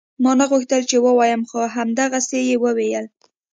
ما نه غوښتل چې ووايم خو همدغسې يې وويل.